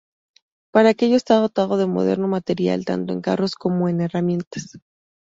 Para aquello está dotado de moderno material tanto en carros como en herramientas.